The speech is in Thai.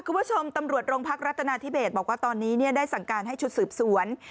คุณผู้ชมตำรวจโรงพักรัฐนาธิเบสบอกว่าตอนนี้ได้สั่งการให้ชุดสืบสวน